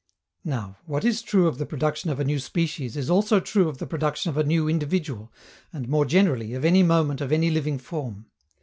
Now, what is true of the production of a new species is also true of the production of a new individual, and, more generally, of any moment of any living form.